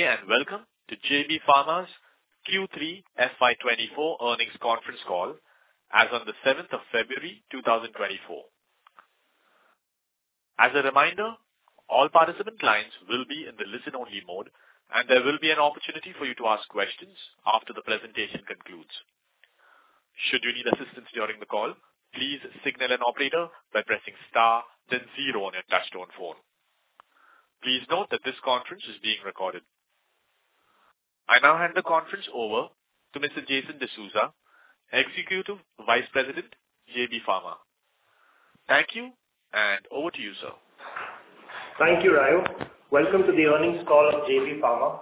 Ladies and gentlemen, good day and welcome to JB Pharma's Q3 FY 2024 earnings conference call as on the seventh of February, 2024. As a reminder, all participant clients will be in the listen-only mode, and there will be an opportunity for you to ask questions after the presentation concludes. Should you need assistance during the call, please signal an operator by pressing star then zero on your touchtone phone. Please note that this conference is being recorded. I now hand the conference over to Mr. Jason D'Souza, Executive Vice President, JB Pharma. Thank you, and over to you, sir. Thank you, Rayo. Welcome to the earnings call of JB Pharma.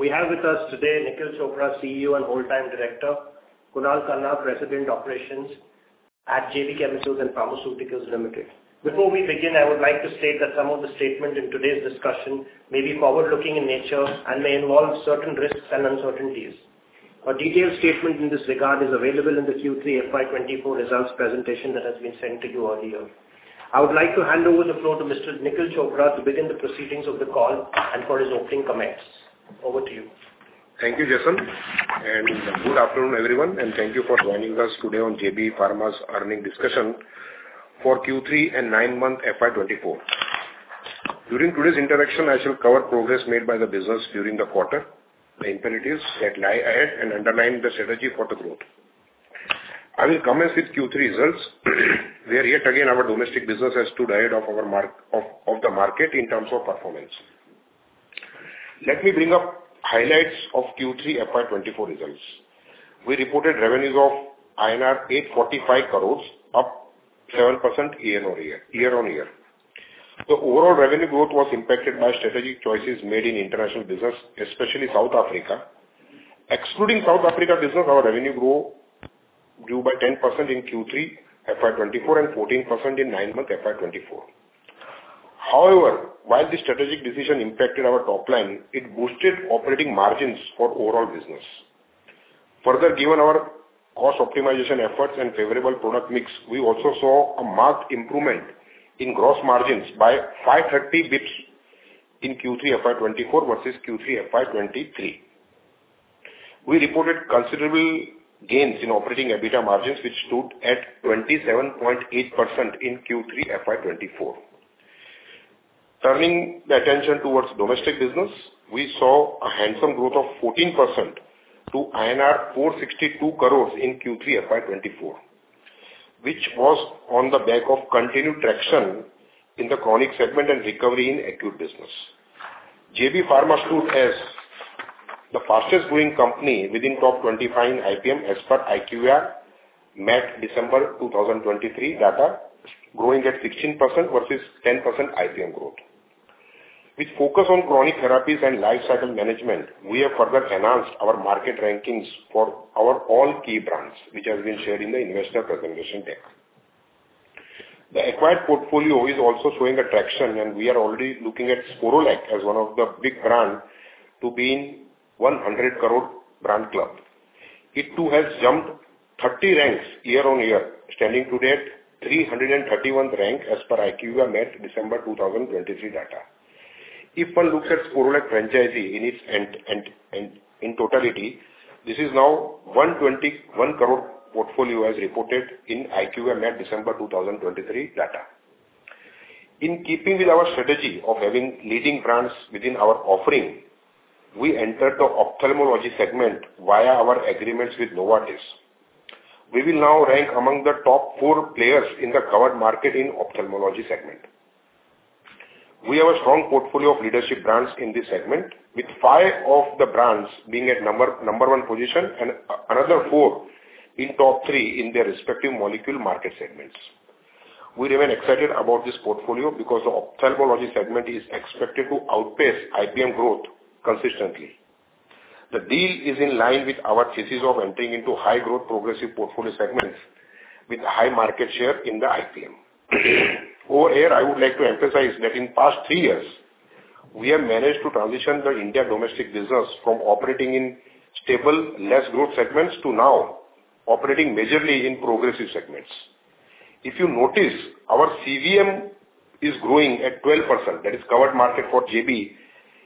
We have with us today, Nikhil Chopra, CEO and Whole Time Director, Kunal Khanna, President, Operations at JB Chemicals and Pharmaceuticals Limited. Before we begin, I would like to state that some of the statement in today's discussion may be forward-looking in nature and may involve certain risks and uncertainties. A detailed statement in this regard is available in the Q3 FY 2024 results presentation that has been sent to you earlier. I would like to hand over the floor to Mr. Nikhil Chopra to begin the proceedings of the call and for his opening comments. Over to you. Thank you, Jason, and good afternoon, everyone, and thank you for joining us today on JB Pharma's earnings discussion for Q3 and nine-month FY 2024. During today's interaction, I shall cover progress made by the business during the quarter, the imperatives that lie ahead and underline the strategy for the growth. I will commence with Q3 results, where yet again, our domestic business has stood ahead of the market in terms of performance. Let me bring up highlights of Q3 FY 2024 results. We reported revenues of INR 845 crores, up 12% year-over-year. The overall revenue growth was impacted by strategic choices made in international business, especially South Africa. Excluding South Africa business, our revenue grow by 10% in Q3 FY 2024 and 14% in nine months, FY 2024. However, while the strategic decision impacted our top line, it boosted operating margins for overall business. Further, given our cost optimization efforts and favorable product mix, we also saw a marked improvement in gross margins by 53 basis points in Q3 FY 2024 versus Q3 FY 2023. We reported considerable gains in operating EBITDA margins, which stood at 27.8% in Q3 FY 2024. Turning the attention towards domestic business, we saw a handsome growth of 14% to INR 462 crore in Q3 FY 2024, which was on the back of continued traction in the chronic segment and recovery in acute business. JB Pharma stood as the fastest-growing company within top 25 IPM, as per IQVIA MAT, December 2023 data, growing at 16% versus 10% IPM growth. With focus on chronic therapies and lifecycle management, we have further enhanced our market rankings for our all key brands, which has been shared in the investor presentation deck. The acquired portfolio is also showing a traction, and we are already looking at Sporlac as one of the big brand to be in 100 crore brand club. It, too, has jumped 30 ranks year-over-year, standing today at 331 rank as per IQVIA MAT, December 2023 data. If one looks at Sporlac franchise in its GI and in totality, this is now 121 crore portfolio as reported in IQVIA MAT, December 2023 data. In keeping with our strategy of having leading brands within our offering, we entered the ophthalmology segment via our agreements with Novartis. We will now rank among the top four players in the covered market in ophthalmology segment. We have a strong portfolio of leadership brands in this segment, with five of the brands being at number one position and another four in top three in their respective molecule market segments. We remain excited about this portfolio because the ophthalmology segment is expected to outpace IPM growth consistently. The deal is in line with our thesis of entering into high-growth, progressive portfolio segments with high market share in the IPM. Over here, I would like to emphasize that in past three years, we have managed to transition the India domestic business from operating in stable, less growth segments to now operating majorly in progressive segments. If you notice, our CVM is growing at 12%, that is covered market for JB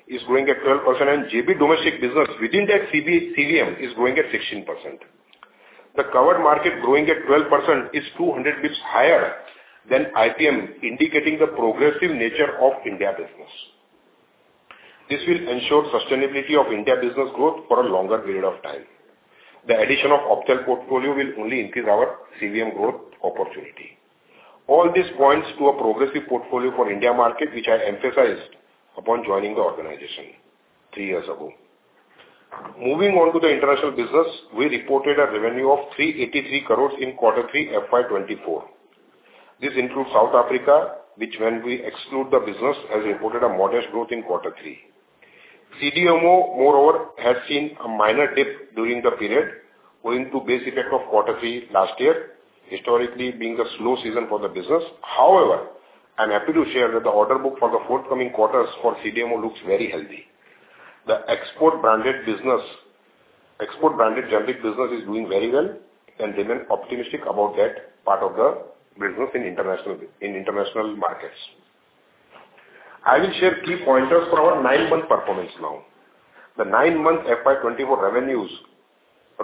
is growing at 12%, and JB domestic business within that CVM is growing at 16%. The covered market growing at 12% is 200 basis points higher than IPM, indicating the progressive nature of India business. This will ensure sustainability of India business growth for a longer period of time. The addition of ophthalmic portfolio will only increase our CVM growth opportunity. All this points to a progressive portfolio for India market, which I emphasized upon joining the organization 3 years ago. Moving on to the international business, we reported a revenue of 383 crore in quarter three, FY 2024. This includes South Africa, which when we exclude the business, has reported a modest growth in quarter three. CDMO, moreover, has seen a minor dip during the period, owing to base effect of quarter three last year, historically being the slow season for the business. However, I'm happy to share that the order book for the forthcoming quarters for CDMO looks very healthy.... The export branded business, export branded generic business is doing very well and remain optimistic about that part of the business in international markets. I will share key pointers for our nine-month performance now. The nine-month FY 2024 revenues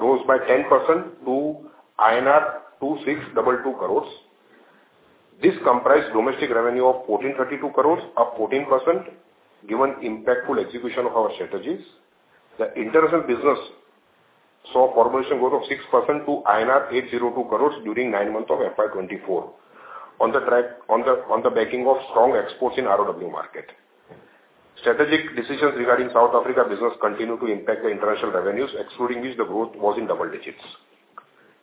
rose by 10% to INR 2,622 crores. This comprised domestic revenue of 1,432 crores, up 14%, given impactful execution of our strategies. The international business saw formulation growth of 6% to INR 802 crores during nine months of FY 2024. On the backing of strong exports in ROW market. Strategic decisions regarding South Africa business continue to impact the international revenues, excluding which the growth was in double digits.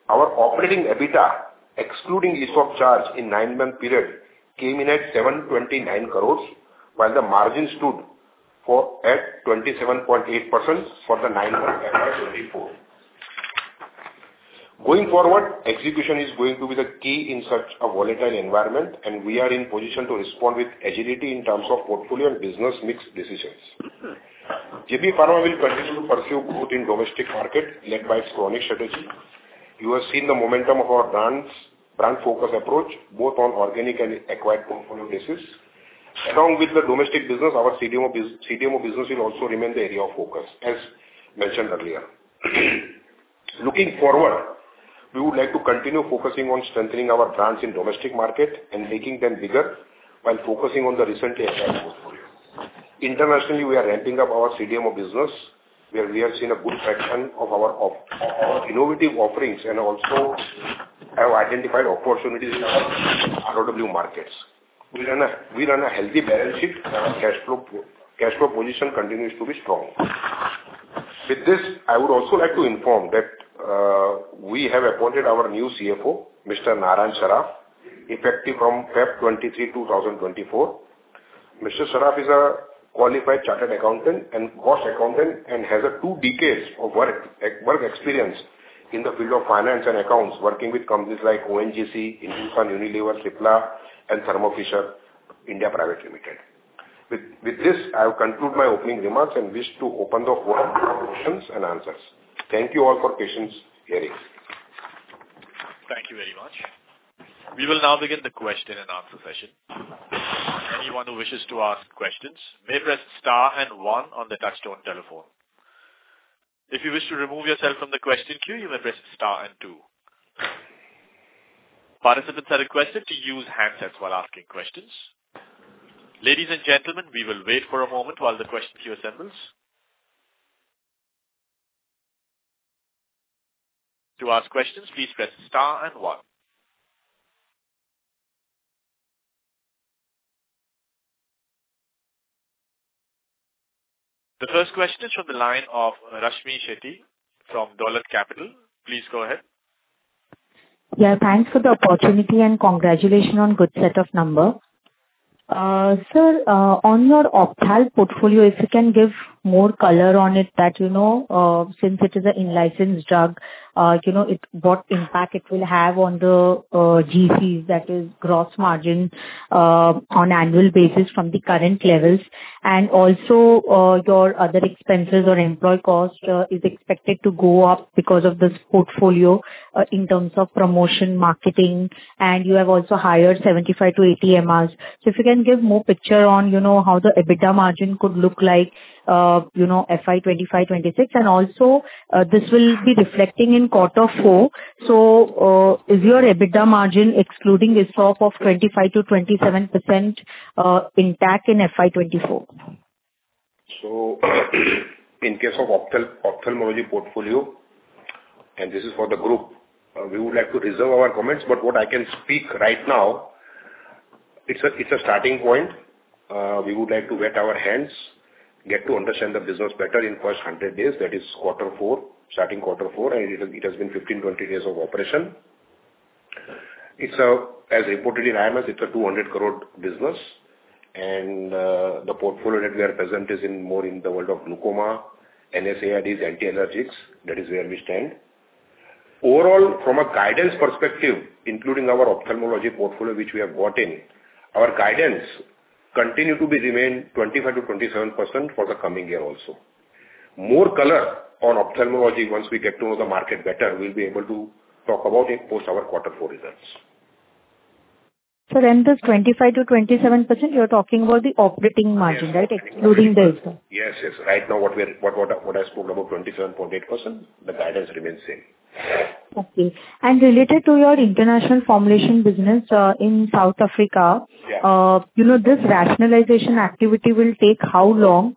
Our operating EBITDA, excluding ESOP charge in nine-month period, came in at 729 crore, while the margin stood for at 27.8% for the nine-month FY 2024. Going forward, execution is going to be the key in such a volatile environment, and we are in position to respond with agility in terms of portfolio and business mix decisions. JB Pharma will continue to pursue growth in domestic market, led by its chronic strategy. You have seen the momentum of our brands, brand focus approach, both on organic and acquired portfolio basis. Along with the domestic business, our CDMO business will also remain the area of focus, as mentioned earlier. Looking forward, we would like to continue focusing on strengthening our brands in domestic market and making them bigger, while focusing on the recently acquired portfolio. Internationally, we are ramping up our CDMO business, where we have seen a good traction of our innovative offerings, and also have identified opportunities in our ROW markets. We run a healthy balance sheet, and our cash flow position continues to be strong. With this, I would also like to inform that we have appointed our new CFO, Mr. Narayan Saraf, effective from February 23, 2024. Mr. Saraf is a qualified chartered accountant and cost accountant, and has two decades of work experience in the field of finance and accounts, working with companies like ONGC, Hindustan Unilever, Cipla and Thermo Fisher India Private Limited. With this, I'll conclude my opening remarks and wish to open the floor for questions and answers. Thank you all for patience, hearing. Thank you very much. We will now begin the question and answer session. Anyone who wishes to ask questions may press star and one on the touchtone telephone. If you wish to remove yourself from the question queue, you may press star and two. Participants are requested to use handsets while asking questions. Ladies and gentlemen, we will wait for a moment while the question queue settles. To ask questions, please press star and one. The first question is from the line of Rashmi Shetty from Dolat Capital. Please go ahead. Yeah, thanks for the opportunity, and congratulations on good set of number. Sir, on your Ophthal portfolio, if you can give more color on it, that you know, since it is an in-licensed drug, you know, it's what impact it will have on the, GCs that is gross margin, on annual basis from the current levels, and also, your other expenses or employee cost, is expected to go up because of this portfolio, in terms of promotion, marketing, and you have also hired 75-80 MRs. So if you can give more picture on, you know, how the EBITDA margin could look like, you know, FY 2025, 2026, and also, this will be reflecting in quarter 4. So, is your EBITDA margin excluding this drop of 25%-27%, intact in FY 2024? In case of ophthalmology portfolio, and this is for the group, we would like to reserve our comments, but what I can speak right now, it's a starting point. We would like to wet our feet, get to understand the business better in first 100 days, that is quarter four, starting quarter four, and it has been 15-20 days of operation. It's as reported in IMS, it's a 200 crore business, and the portfolio that we are present in is more in the world of glaucoma, NSAIDs, anti-allergics, that is where we stand. Overall, from a guidance perspective, including our ophthalmology portfolio, which we have got in, our guidance continue to be remain 25%-27% for the coming year also. More color on ophthalmology, once we get to know the market better, we'll be able to talk about it post our quarter four results. Sir, and this 25%-27%, you're talking about the operating margin, right? Including this. Yes, yes. Right now, what I spoke about 27.8%, the guidance remains same. Okay. And related to your international formulation business, in South Africa- Yeah. you know, this rationalization activity will take how long,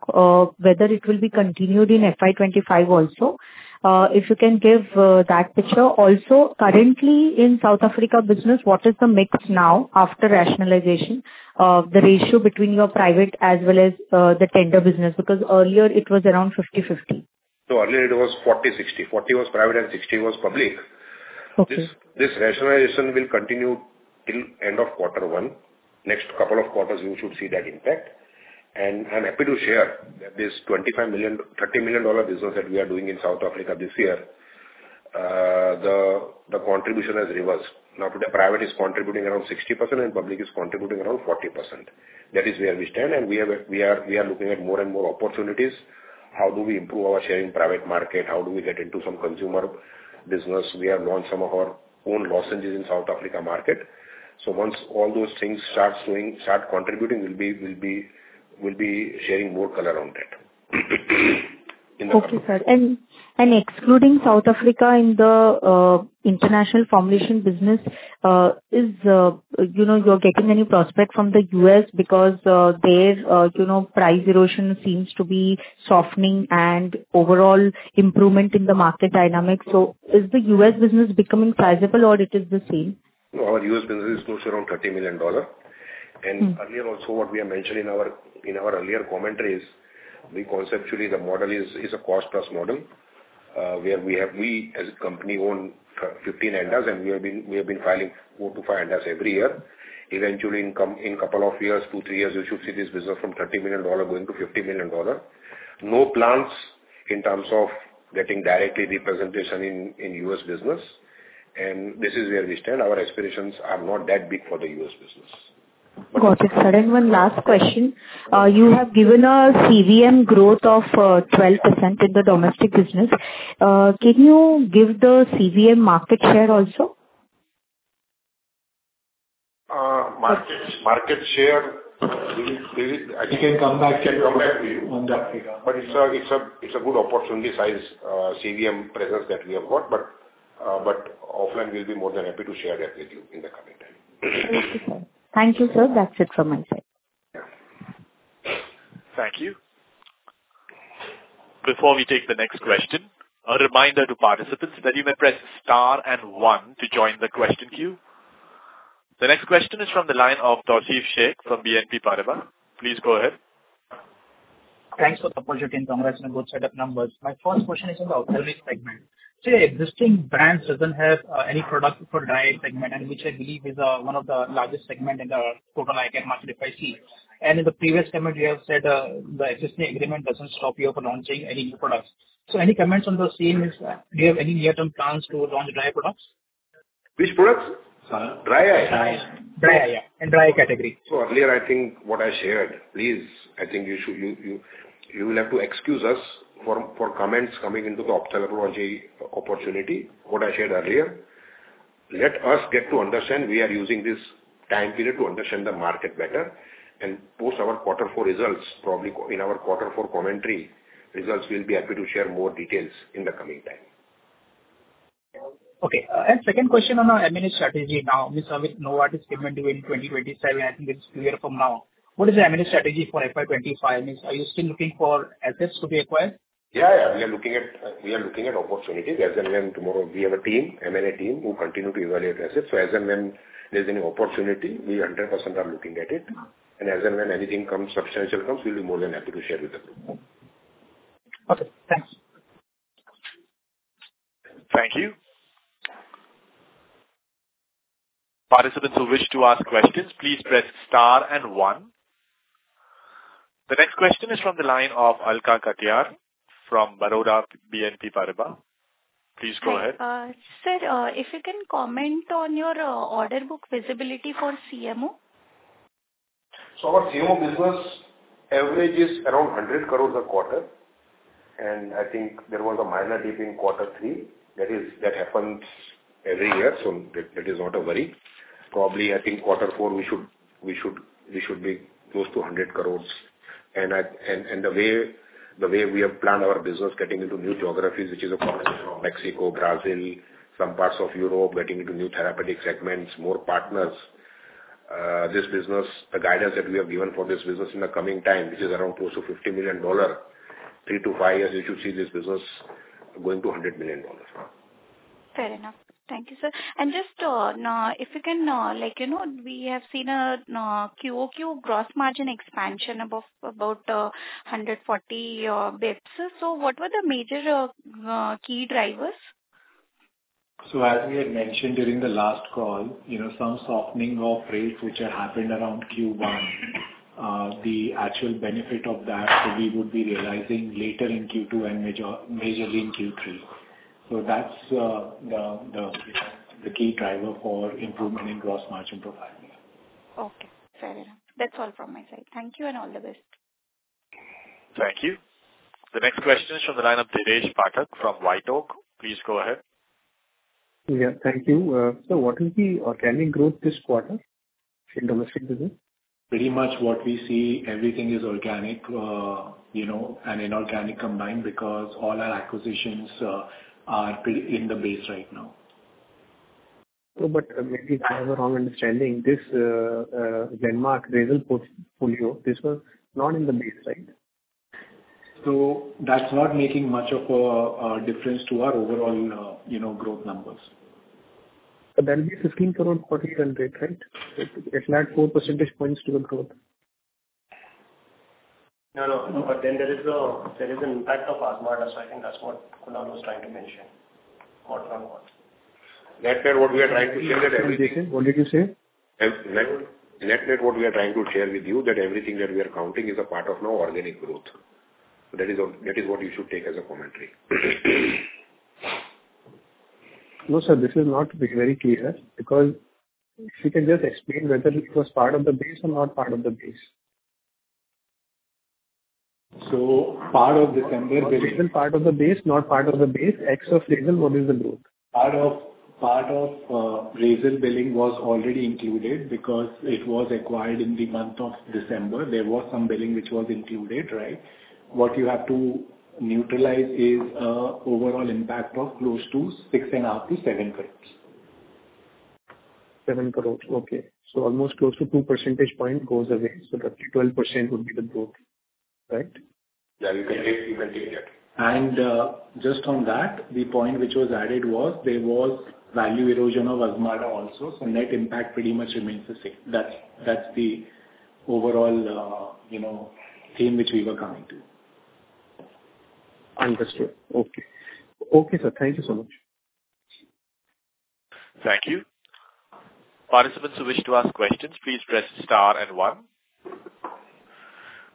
whether it will be continued in FY 25 also? If you can give, that picture. Also, currently in South Africa business, what is the mix now after rationalization, of the ratio between your private as well as, the tender business? Because earlier it was around 50/50. Earlier it was 40/60. 40 was private and 60 was public. Okay. This rationalization will continue till end of quarter one. Next couple of quarters, you should see that impact. I'm happy to share that this $25 million-$30 million business that we are doing in South Africa this year, the contribution has reversed. Now, today, private is contributing around 60% and public is contributing around 40%. That is where we stand, and we are looking at more and more opportunities. How do we improve our share in private market? How do we get into some consumer business? We have launched some of our own lozenges in South Africa market. Once all those things starts doing, start contributing, we'll be sharing more color on that. Okay, sir. Excluding South Africa in the international formulation business, is you know you're getting any prospect from the U.S. because there you know price erosion seems to be softening and overall improvement in the market dynamics. So is the U.S. business becoming sizable or it is the same? No, our U.S. business is close to around $30 million. Mm. And earlier also, what we have mentioned in our, in our earlier commentary is, we conceptually the model is, is a cost plus model, where we have-- we as a company own 15 ANDAs, and we have been, we have been filing 4-5 ANDAs every year. Eventually, in a couple of years, 2-3 years, you should see this business from $30 million going to $50 million. No plans in terms of getting directly representation in U.S. business, and this is where we stand. Our aspirations are not that big for the U.S. business. Got it, sir. And one last question: you have given a CVM growth of 12% in the domestic business. Can you give the CVM market share also? Market share, we will. We can come back to you. We can come back to you. On that figure. But it's a good opportunity size, CVM presence that we have got. But offline, we'll be more than happy to share that with you in the coming time. Thank you, sir. Thank you, sir. That's it from my side. Yeah. Thank you. Before we take the next question, a reminder to participants that you may press star and one to join the question queue. The next question is from the line of Tauseef Shaikh from BNP Paribas. Please go ahead. Thanks for the opportunity, congratulations on good set of numbers. My first question is on the ophthalmology segment. Say, existing brands doesn't have any product for dry eye segment, and which I believe is one of the largest segment in the total eye care market, if I see. And in the previous comment, you have said the existing agreement doesn't stop you from launching any new products. So any comments on those scenes? Do you have any near-term plans to launch dry eye products? Which products? Uh- Dry eye. Dry eye. Dry eye, yeah, in dry eye category. So earlier, I think what I shared, please, I think you should. You will have to excuse us for comments coming into the ophthalmology opportunity. What I shared earlier, let us get to understand, we are using this time period to understand the market better. And post our Quarter Four results, probably in our Quarter Four commentary results, we'll be happy to share more details in the coming time. Okay. And second question on our M&A strategy now. We saw with Novartis agreement during 2027, I think it's clear from now. What is the M&A strategy for FY 25? Are you still looking for assets to be acquired? Yeah, yeah. We are looking at, we are looking at opportunities. As and when tomorrow, we have a team, M&A team, who continue to evaluate assets. So as and when there's any opportunity, we 100% are looking at it. And as and when anything comes, substantial comes, we'll be more than happy to share with you. Okay, thanks. Thank you. Participants who wish to ask questions, please press star and one. The next question is from the line of Alka Katiyar from Baroda BNP Paribas. Please go ahead. Hi. Sir, if you can comment on your order book visibility for CDMO? So our CDMO business average is around 100 crore a quarter, and I think there was a minor dip in quarter 3. That is, that happens every year, so that is not a worry. Probably, I think quarter 4, we should be close to 100 crore. And the way we have planned our business, getting into new geographies, which is a combination of Mexico, Brazil, some parts of Europe, getting into new therapeutic segments, more partners. This business, the guidance that we have given for this business in the coming time, which is around close to $50 million, 3-5 years, you should see this business going to $100 million. Fair enough. Thank you, sir. Just now, if you can, like, you know, we have seen a QOQ gross margin expansion above about 140 basis points. So what were the major key drivers? So as we had mentioned during the last call, you know, some softening of rates which have happened around Q1, the actual benefit of that, we would be realizing later in Q2 and majorly in Q3. So that's the key driver for improvement in gross margin profile. Okay. Fair enough. That's all from my side. Thank you and all the best. Thank you. The next question is from the line of Dheeresh Pathak from White Oak. Please go ahead. Yeah, thank you. So what is the organic growth this quarter in domestic business? Pretty much what we see, everything is organic, you know, and inorganic combined because all our acquisitions are in the base right now. But maybe I have a wrong understanding. This, Glenmark, they will put full year. This was not in the baseline. That's not making much of a difference to our overall, you know, growth numbers. But that will be 15 crore particular rate, right? It adds 4 percentage points to the growth. No, no, no, but then there is no, there is an impact of Azmarda, so I think that's what Kunal was trying to mention more from the- ...Net net, what we are trying to share with you- What did you say? Net, net, what we are trying to share with you that everything that we are counting is a part of no organic growth. That is, that is what you should take as a commentary. No, sir, this is not very clear, because if you can just explain whether it was part of the base or not part of the base. Part of December billing- Part of the base, not part of the base, Ex of Razel, what is the growth? Part of Razel billing was already included because it was acquired in the month of December. There was some billing which was included, right? What you have to neutralize is overall impact of close to 6.5-7 crores. 7 crore. Okay. So almost close to 2 percentage point goes away, so that 12% would be the growth, right? Yeah, you can take, you can take that. Just on that, the point which was added was there was value erosion of Azmarda also, so net impact pretty much remains the same. That's, that's the overall, you know, theme which we were coming to. Understood. Okay. Okay, sir, thank you so much. Thank you. Participants who wish to ask questions, please press star and one.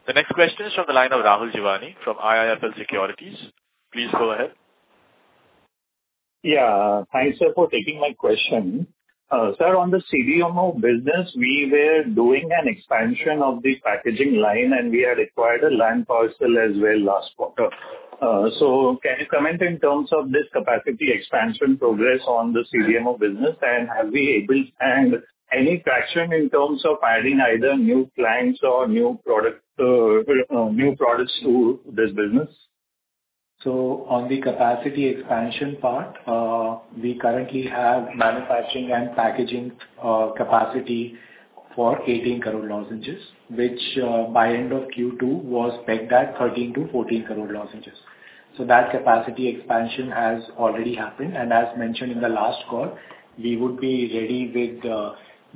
The next question is from the line of Rahul Jeewani from IIFL Securities. Please go ahead. Yeah. Thank you, sir, for taking my question. Sir, on the CDMO business, we were doing an expansion of the packaging line, and we had acquired a land parcel as well last quarter. So can you comment in terms of this capacity expansion progress on the CDMO business, and have we able... And any traction in terms of adding either new clients or new product, new products to this business? So on the capacity expansion part, we currently have manufacturing and packaging capacity for 18 crore lozenges, which by end of Q2 was pegged at 13-14 crore lozenges. So that capacity expansion has already happened, and as mentioned in the last call, we would be ready with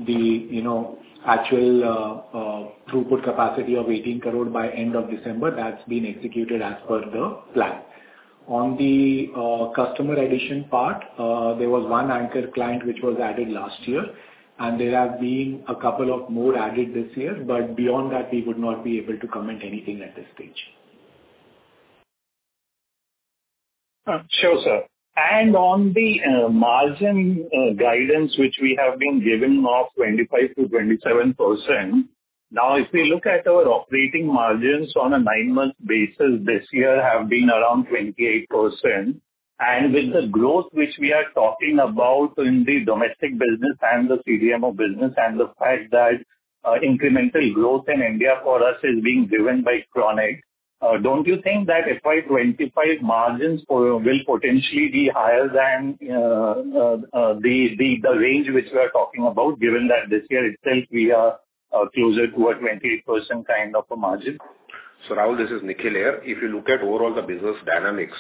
the you know actual throughput capacity of 18 crore by end of December. That's been executed as per the plan. On the customer addition part, there was one anchor client which was added last year, and there have been a couple of more added this year, but beyond that, we would not be able to comment anything at this stage. Sure, sir. And on the margin guidance, which we have been given of 25%-27%. Now, if we look at our operating margins on a nine-month basis this year have been around 28%, and with the growth which we are talking about in the domestic business and the CDMO business, and the fact that incremental growth in India for us is being driven by chronic, don't you think that FY 2025 margins for- will potentially be higher than the range which we are talking about, given that this year itself we are closer to a 20% kind of a margin? So, Rahul, this is Nikhil here. If you look at overall the business dynamics,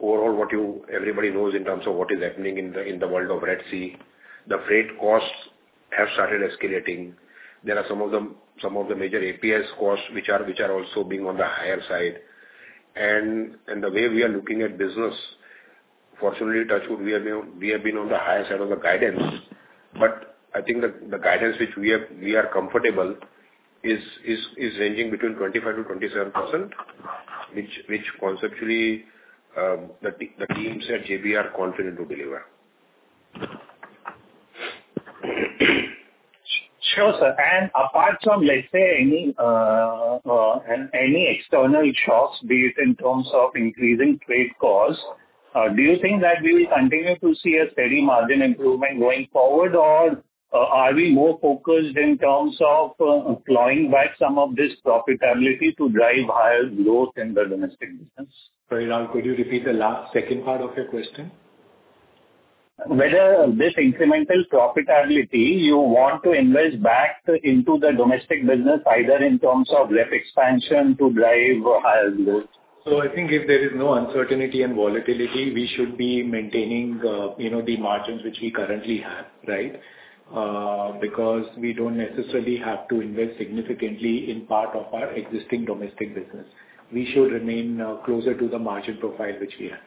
overall what you... Everybody knows in terms of what is happening in the world of Red Sea, the freight costs have started escalating. There are some of the major APIs costs, which are also being on the higher side. And the way we are looking at business, fortunately, touch wood, we have been on the higher side of the guidance, but I think the guidance which we are comfortable is ranging between 25%-27%, which conceptually the teams at JB are confident to deliver. Sure, sir. Apart from, let's say, any external shocks, be it in terms of increasing trade costs, do you think that we will continue to see a steady margin improvement going forward, or are we more focused in terms of deploying back some of this profitability to drive higher growth in the domestic business? Sorry, Rahul, could you repeat the last second part of your question? Whether this incremental profitability you want to invest back into the domestic business, either in terms of rep expansion to drive higher growth? I think if there is no uncertainty and volatility, we should be maintaining, you know, the margins which we currently have, right? Because we don't necessarily have to invest significantly in part of our existing domestic business. We should remain closer to the margin profile which we have.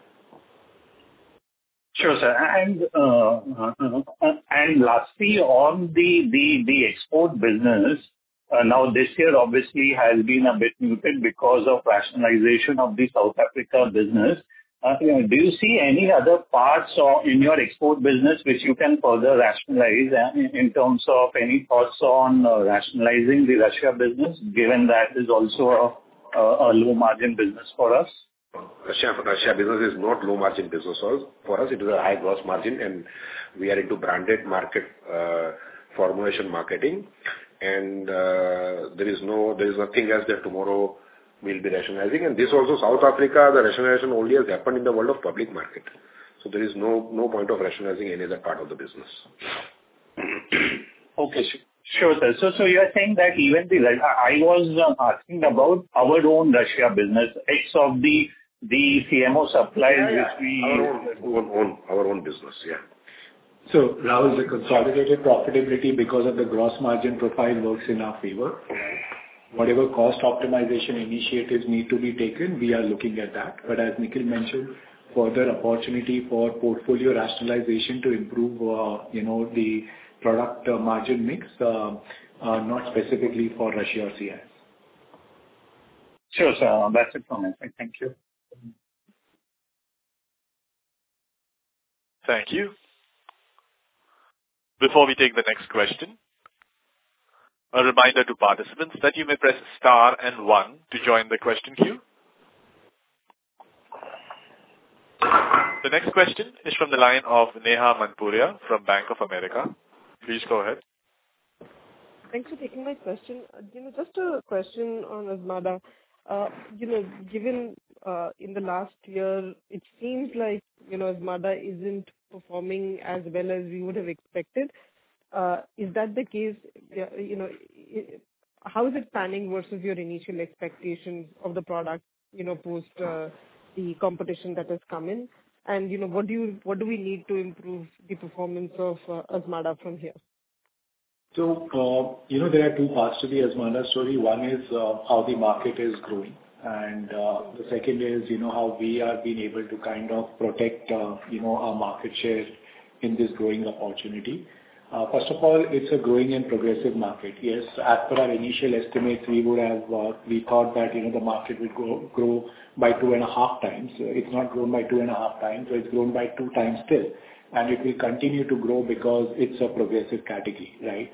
Sure, sir. Lastly, on the export business, now this year obviously has been a bit muted because of rationalization of the South Africa business. Do you see any other parts or in your export business which you can further rationalize in terms of any thoughts on rationalizing the Russia business, given that is also a low-margin business for us? Russia, Russia business is not low-margin business for us. For us, it is a high gross margin, and we are into branded market, formulation marketing. There is nothing as that tomorrow we'll be rationalizing. This also, South Africa, the rationalization only has happened in the world of public market. So there is no point of rationalizing any other part of the business. Okay, sure, sir. So, so you are saying that even the... I, I was asking about our own Russia business, X of the, the CMO supplies, which we- Our own, our own business, yeah. So Rahul, the consolidated profitability because of the gross margin profile works in our favor. Whatever cost optimization initiatives need to be taken, we are looking at that. But as Nikhil mentioned, further opportunity for portfolio rationalization to improve, you know, the product margin mix, not specifically for Russia or CIS. Sure, sir. That's it from me. Thank you. Thank you. Before we take the next question, a reminder to participants that you may press star and one to join the question queue. The next question is from the line of Neha Manpuria from Bank of America. Please go ahead. Thanks for taking my question. You know, just a question on Azmarda. You know, given, in the last year, it seems like, you know, Azmarda isn't performing as well as we would have expected. Is that the case? Yeah, you know, how is it panning versus your initial expectations of the product, you know, post, the competition that has come in? And, you know, what do we need to improve the performance of, Azmarda from here? So, you know, there are two parts to the Azmarda story. One is, how the market is growing, and, the second is, you know, how we are being able to kind of protect, you know, our market share in this growing opportunity. First of all, it's a growing and progressive market. Yes, as per our initial estimates, we would have, we thought that, you know, the market would grow by 2.5 times. It's not grown by 2.5 times, so it's grown by 2 times still, and it will continue to grow because it's a progressive category, right?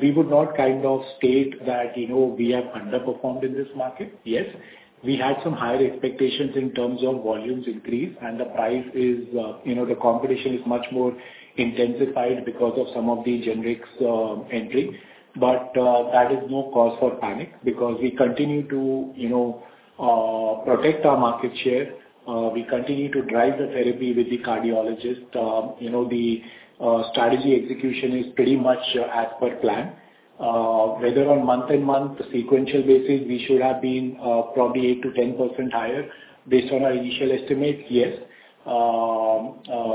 We would not kind of state that, you know, we have underperformed in this market. Yes, we had some higher expectations in terms of volumes increase, and the price is, you know, the competition is much more intensified because of some of the generics entry. But, that is no cause for panic because we continue to, you know, protect our market share. We continue to drive the therapy with the cardiologist. You know, the strategy execution is pretty much as per plan. Whether on month and month sequential basis, we should have been, probably 8%-10% higher. Based on our initial estimates, yes,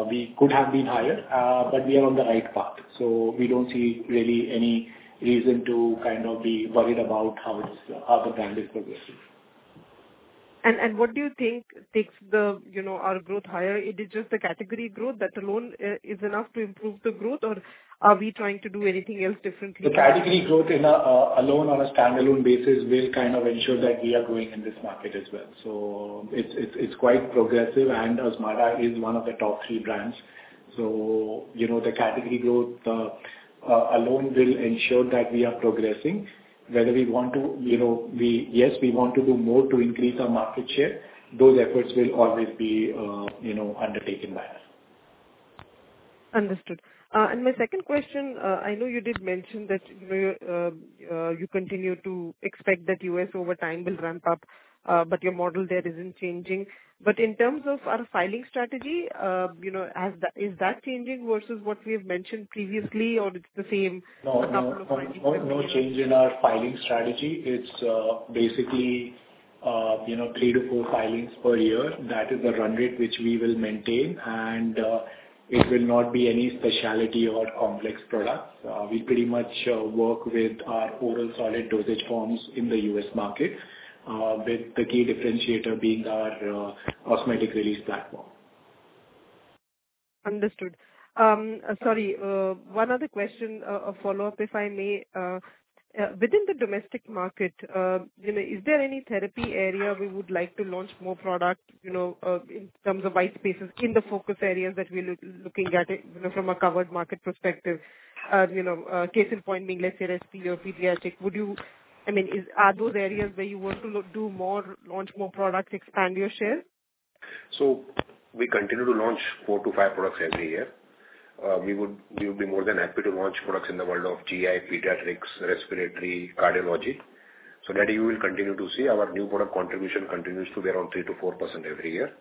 we could have been higher, but we are on the right path, so we don't see really any reason to kind of be worried about how this, how the brand is progressing. What do you think takes the, you know, our growth higher? It is just the category growth, that alone, is enough to improve the growth, or are we trying to do anything else differently? The category growth in alone on a standalone basis will kind of ensure that we are growing in this market as well. So it's quite progressive, and Azmarda is one of the top three brands. So, you know, the category growth alone will ensure that we are progressing. Whether we want to, you know, Yes, we want to do more to increase our market share. Those efforts will always be, you know, undertaken by us. Understood. And my second question, I know you did mention that, you know, you continue to expect that US over time will ramp up, but your model there isn't changing. But in terms of our filing strategy, you know, has that- is that changing versus what we have mentioned previously, or it's the same? No, no, no change in our filing strategy. It's basically, you know, 3-4 filings per year. That is the run rate which we will maintain, and it will not be any specialty or complex products. We pretty much work with our oral solid dosage forms in the U.S. market, with the key differentiator being our osmotic release platform. Understood. Sorry, one other question, a follow-up, if I may. Within the domestic market, you know, is there any therapy area we would like to launch more products, you know, in terms of white spaces in the focus areas that we're looking at it, you know, from a covered market perspective? You know, case in point being, let's say, Resp or pediatric, would you... I mean, is, are those areas where you want to do more, launch more products, expand your share? We continue to launch 4-5 products every year. We would be more than happy to launch products in the world of GI, pediatrics, respiratory, cardiology. So that you will continue to see our new product contribution continues to be around 3%-4% every year.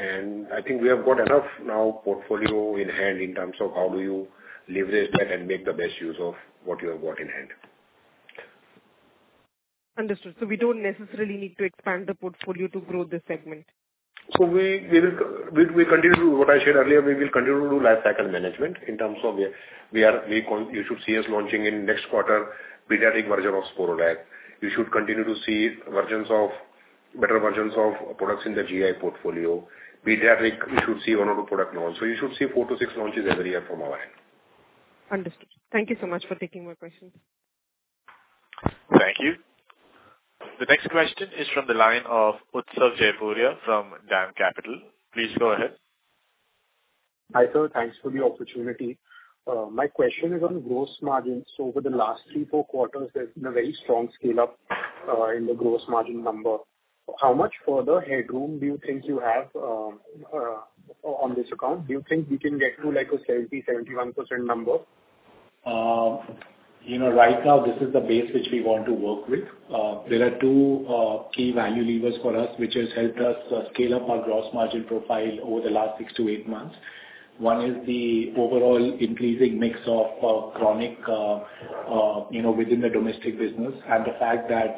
And I think we have got enough now portfolio in hand in terms of how do you leverage that and make the best use of what you have got in hand. Understood. So we don't necessarily need to expand the portfolio to grow this segment? So we will continue to. What I said earlier, we will continue to do lifecycle management in terms of where we are. You should see us launching in next quarter, pediatric version of Sporidex. You should continue to see versions of, better versions of products in the GI portfolio. Pediatric, you should see one or two product launch. So you should see four to six launches every year from our end. Understood. Thank you so much for taking my questions. Thank you. The next question is from the line of Utsav Jaipuria from DAM Capital. Please go ahead. Hi, sir. Thanks for the opportunity. My question is on gross margins. Over the last three, four quarters, there's been a very strong scale-up in the gross margin number. How much further headroom do you think you have on this account? Do you think we can get to, like, a 70-71% number? You know, right now, this is the base which we want to work with. There are 2 key value levers for us, which has helped us scale up our gross margin profile over the last 6-8 months. One is the overall increasing mix of chronic, you know, within the domestic business, and the fact that,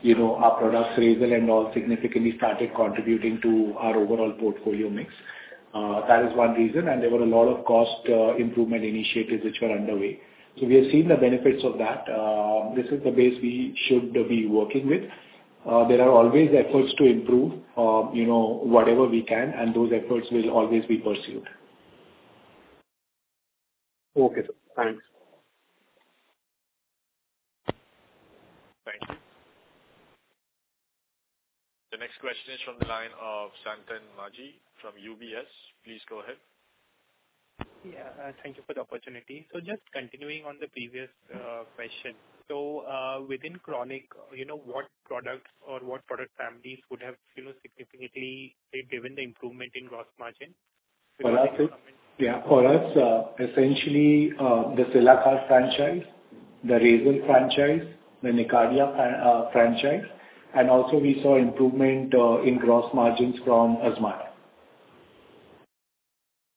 you know, our products, Razel and all, significantly started contributing to our overall portfolio mix. That is one reason, and there were a lot of cost improvement initiatives which were underway. So we are seeing the benefits of that. This is the base we should be working with. There are always efforts to improve, you know, whatever we can, and those efforts will always be pursued. Okay, sir. Thanks. Thank you. The next question is from the line of Sayantan Maji from UBS. Please go ahead. Yeah, thank you for the opportunity. So just continuing on the previous question. So, within chronic, you know, what products or what product families would have, you know, significantly driven the improvement in gross margin? For us, yeah. For us, essentially, the Cilacar franchise, the Razel franchise, the Nicardia franchise, and also we saw improvement in gross margins from Azmarda.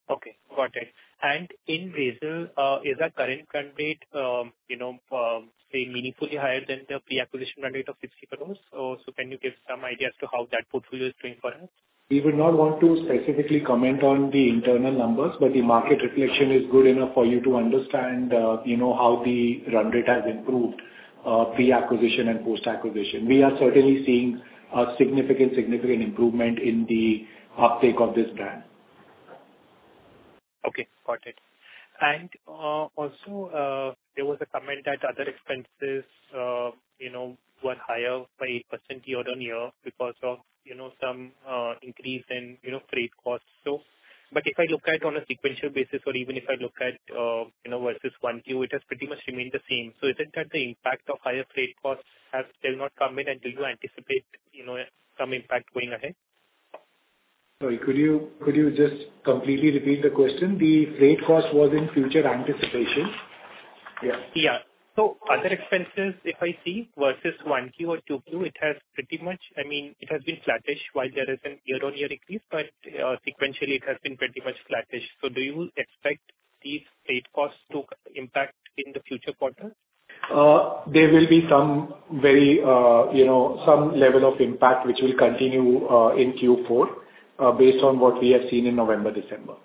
Okay, got it. And in Brazil, is the current run rate, you know, say, meaningfully higher than the pre-acquisition run rate of 50 crore? So, can you give some idea as to how that portfolio is doing for us? We would not want to specifically comment on the internal numbers, but the market reflection is good enough for you to understand, you know, how the run rate has improved, pre-acquisition and post-acquisition. We are certainly seeing a significant, significant improvement in the uptake of this brand. Okay, got it. And, also, there was a comment that other expenses, you know, were higher by 8% year-on-year because of, you know, some increase in, you know, freight costs. So, but if I look at it on a sequential basis or even if I look at, you know, versus 1Q, it has pretty much remained the same. So isn't that the impact of higher freight costs has still not come in, and do you anticipate, you know, some impact going ahead? Sorry, could you just completely repeat the question? The freight cost was in future anticipation. Yeah. Yeah. So other expenses, if I see, versus 1Q or 2Q, it has pretty much... I mean, it has been flattish, while there is a year-on-year increase, but sequentially it has been pretty much flattish. So do you expect these freight costs to impact in the future quarters? There will be some very, you know, some level of impact, which will continue in Q4, based on what we have seen in November, December.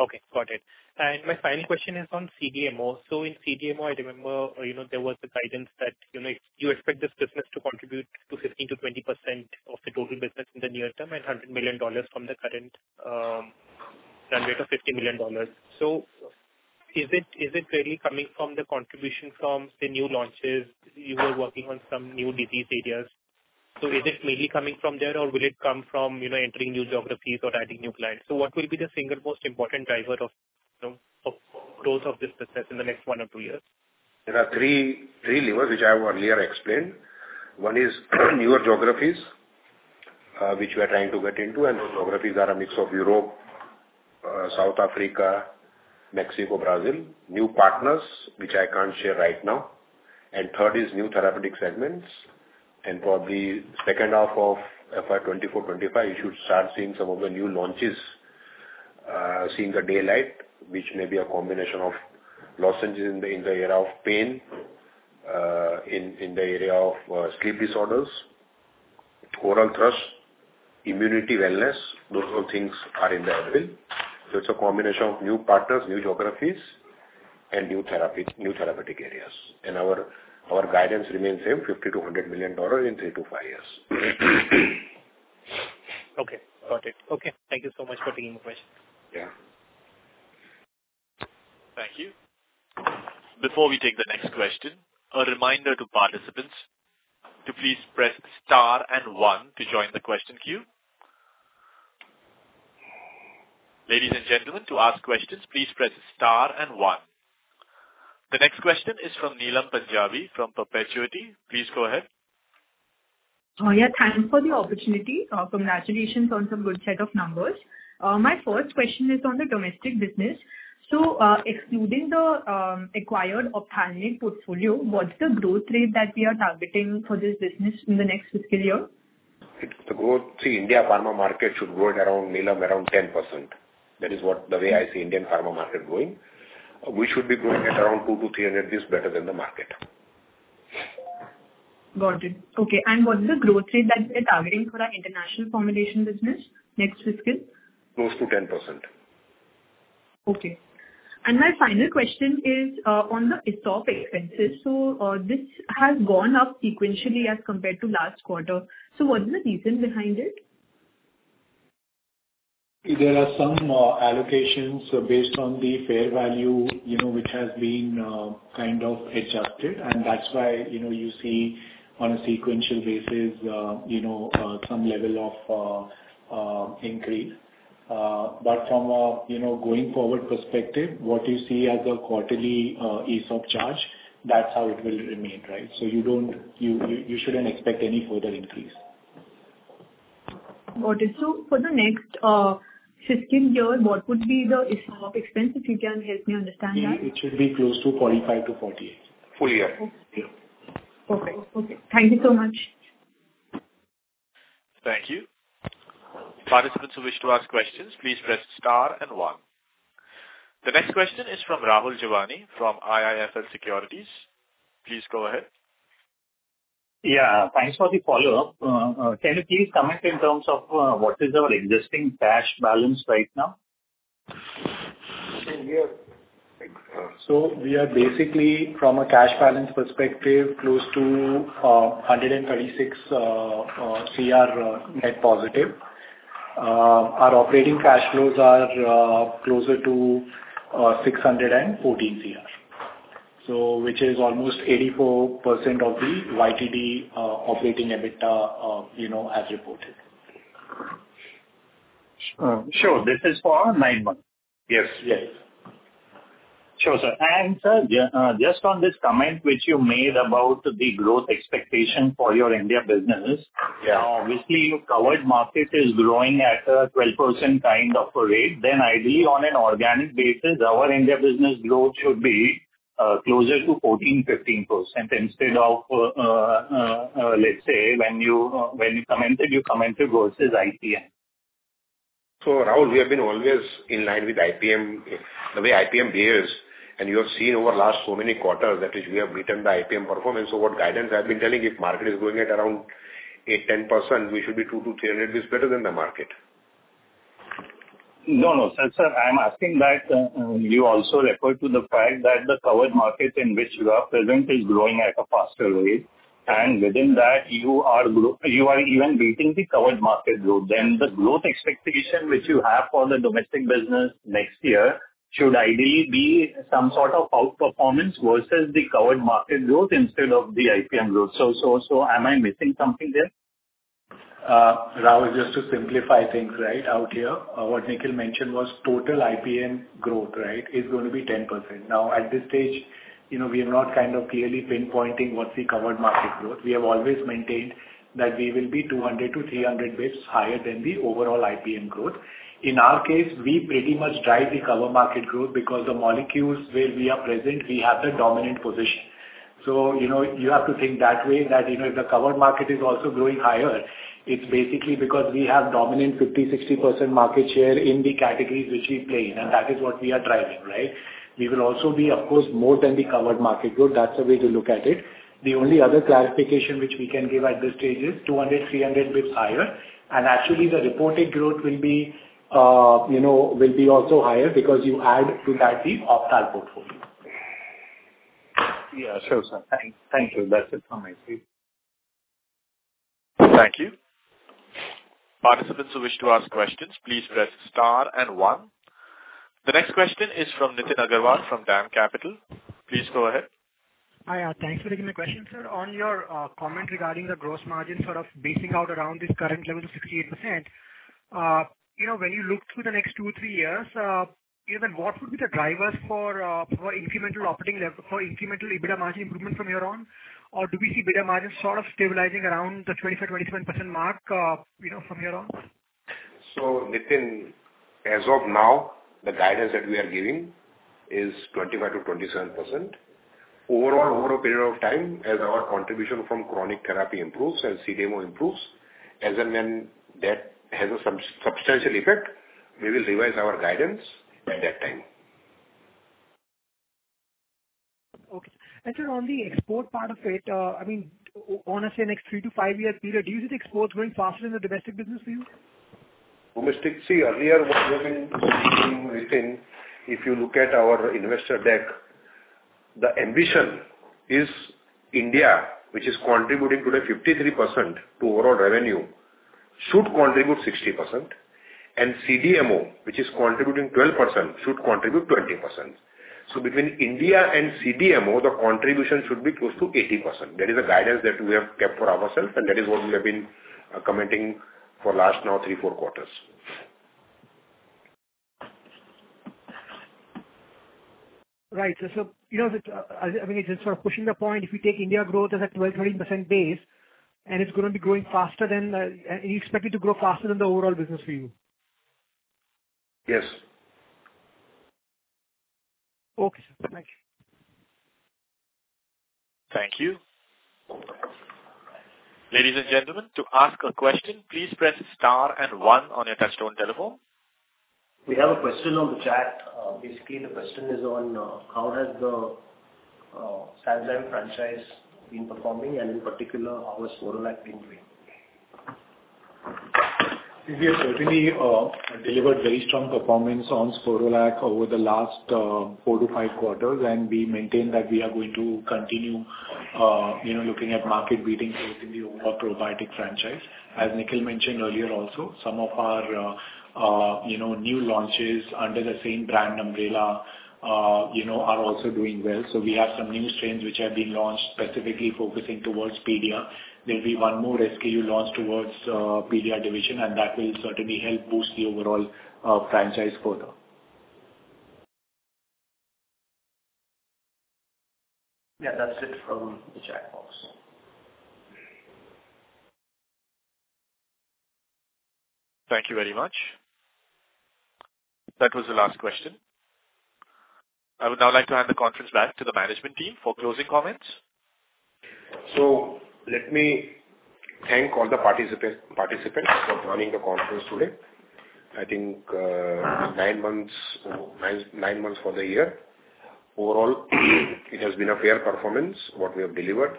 Okay, got it. And my final question is on CDMO. So in CDMO, I remember, you know, there was a guidance that, you know, you expect this business to contribute to 15%-20% of the total business in the near term, and $100 million from the current run rate of $50 million. So is it, is it really coming from the contribution from the new launches? You were working on some new disease areas. So is it mainly coming from there, or will it come from, you know, entering new geographies or adding new clients? So what will be the single most important driver of, you know, of growth of this business in the next one or two years? There are three, three levers, which I have earlier explained. One is newer geographies, which we are trying to get into, and those geographies are a mix of Europe, South Africa, Mexico, Brazil. New partners, which I can't share right now. And third is new therapeutic segments. And probably second half of FY 2024-25, you should start seeing some of the new launches, seeing the daylight, which may be a combination of lozenges in the area of pain, in the area of sleep disorders, oral thrush, immunity, wellness, those sort of things are in the anvil. So it's a combination of new partners, new geographies and new therapeutic areas. And our guidance remains same, $50-$100 million in three to five years. Okay, got it. Okay, thank you so much for taking the question. Yeah. Thank you. Before we take the next question, a reminder to participants to please press Star and One to join the question queue. Ladies and gentlemen, to ask questions, please press Star and One. The next question is from Neelam Punjabi from Perpetuity. Please go ahead. Yeah, thanks for the opportunity. Congratulations on some good set of numbers. My first question is on the domestic business. So, excluding the acquired ophthalmic portfolio, what's the growth rate that we are targeting for this business in the next fiscal year? The growth, the Indian pharma market should grow at around, Neelam, around 10%. That is what, the way I see Indian pharma market growing. We should be growing at around 2-3, and it is better than the market. Got it. Okay, and what's the growth rate that we're targeting for our international formulation business next fiscal? Close to 10%. Okay. My final question is on the ESOP expenses. This has gone up sequentially as compared to last quarter. What's the reason behind it? There are some allocations based on the fair value, you know, which has been kind of adjusted, and that's why, you know, you see on a sequential basis, some level of increase. But from a, you know, going forward perspective, what you see as a quarterly ESOP charge, that's how it will remain, right? So you don't... You shouldn't expect any further increase. Got it. So for the next fiscal year, what would be the ESOP expense, if you can help me understand that? It should be close to 45-48. Full year. Okay. Okay. Thank you so much. Thank you. Participants who wish to ask questions, please press Star and One. The next question is from Rahul Jeewani from IIFL Securities. Please go ahead. ... Yeah, thanks for the follow-up. Can you please comment in terms of what is our existing cash balance right now? So we are basically, from a cash balance perspective, close to 136 CR net positive. Our operating cash flows are closer to 614 CR. So which is almost 84% of the YTD operating EBITDA, you know, as reported. Sure. This is for nine months? Yes. Yes. Sure, sir. Sir, just on this comment which you made about the growth expectation for your India businesses- Yeah. Obviously, your covered market is growing at a 12% kind of a rate, then ideally, on an organic basis, our India business growth should be closer to 14%-15%, instead of, let's say, when you commented, you commented versus IPM. Rahul, we have been always in line with IPM. The way IPM behaves, and you have seen over the last so many quarters, that is, we have beaten the IPM performance. What guidance I've been telling, if market is growing at around 8%-10%, we should be 2%-3%, and it is better than the market. No, no. Sir, sir, I'm asking that, you also referred to the fact that the covered market in which you are present is growing at a faster rate, and within that, you are even beating the covered market growth. Then the growth expectation, which you have for the domestic business next year, should ideally be some sort of outperformance versus the covered market growth instead of the IPM growth. So, so, so am I missing something there? Rahul, just to simplify things right out here, what Nikhil mentioned was total IPM growth, right, is going to be 10%. Now, at this stage, you know, we have not kind of clearly pinpointing what's the covered market growth. We have always maintained that we will be 200-300 basis points higher than the overall IPM growth. In our case, we pretty much drive the covered market growth because the molecules where we are present, we have the dominant position. So, you know, you have to think that way, that, you know, if the covered market is also growing higher, it's basically because we have dominant 50-60% market share in the categories which we play in, and that is what we are driving, right? We will also be, of course, more than the covered market growth. That's the way to look at it. The only other clarification which we can give at this stage is 200-300 basis points higher. Actually, the reported growth will be, you know, will be also higher because you add to that the Ophthal portfolio. Yeah, sure, sir. Thank you. That's it from my side. Thank you. Participants who wish to ask questions, please press star and one. The next question is from Nitin Agarwal, from DAM Capital. Please go ahead. Hi, thanks for taking my question, sir. On your comment regarding the gross margin, sort of, basing out around this current level of 68%, you know, when you look through the next 2-3 years, even what would be the drivers for incremental operating level, for incremental EBITDA margin improvement from here on? Or do we see EBITDA margins sort of stabilizing around the 25%-27% mark, you know, from here on? So Nitin, as of now, the guidance that we are giving is 25%-27%. Overall, over a period of time, as our contribution from chronic therapy improves and CDMO improves, as and when that has a substantial effect, we will revise our guidance at that time. Okay. And sir, on the export part of it, I mean, honestly, next 3-5-year period, do you see the exports growing faster than the domestic business for you? Domestic, see, earlier, what we have been seeing within, if you look at our investor deck, the ambition is India, which is contributing today 53% to overall revenue, should contribute 60%, and CDMO, which is contributing 12%, should contribute 20%. So between India and CDMO, the contribution should be close to 80%. That is the guidance that we have kept for ourselves, and that is what we have been commenting for last now 3, 4 quarters. Right. You know, I mean, just sort of pushing the point, if you take India growth as a 12%-13% base, and it's going to be growing faster than... You expect it to grow faster than the overall business for you? Yes. Okay, sir. Thank you. Thank you. Ladies and gentlemen, to ask a question, please press star and one on your touchtone telephone. We have a question on the chat. Basically, the question is on: How has the Sanzyme franchise been performing, and in particular, how has Sporlac been doing? We have certainly delivered very strong performance on Sporlac over the last 4-5 quarters, and we maintain that we are going to continue you know looking at market-beating growth in the overall probiotic franchise. As Nikhil mentioned earlier also, some of our you know new launches under the same brand umbrella you know are also doing well. So we have some new strains which have been launched, specifically focusing towards pediatric. There'll be one more SKU launched towards pediatric division, and that will certainly help boost the overall franchise further. Yeah, that's it from the chat box. Thank you very much. That was the last question. I would now like to hand the conference back to the management team for closing comments. So let me thank all the participants for joining the conference today. I think nine months for the year. Overall, it has been a fair performance, what we have delivered,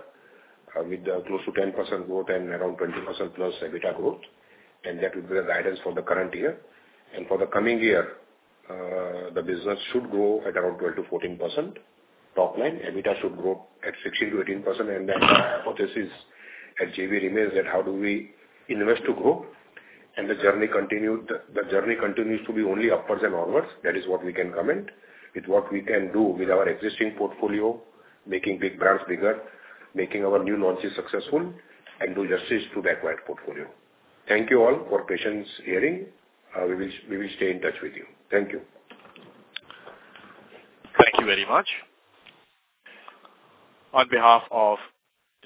with close to 10% growth and around 20%+ EBITDA growth, and that will be the guidance for the current year. For the coming year, the business should grow at around 12%-14%. Top line, EBITDA, should grow at 16%-18%. Then hypothesis at JB remains that how do we invest to grow? The journey continues to be only upwards and onwards. That is what we can comment. With what we can do with our existing portfolio, making big brands bigger, making our new launches successful, and do justice to the acquired portfolio. Thank you all for patient hearing. We will stay in touch with you. Thank you. Thank you very much. On behalf of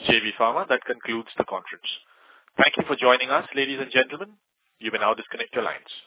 JB Pharma, that concludes the conference. Thank you for joining us, ladies and gentlemen. You may now disconnect your lines.